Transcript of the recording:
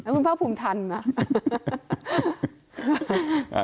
คุณพ่อภูมิทันนะ